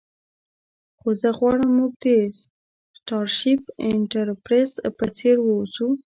خو زه غواړم موږ د سټارشیپ انټرپریز په څیر اوسو